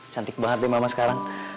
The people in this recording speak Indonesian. cantik banget deh mama sekarang